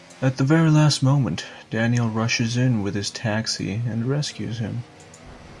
At the very last moment, Daniel rushes in with his taxi and rescues him.